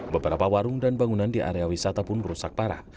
beberapa warung dan bangunan di area wisata pun rusak parah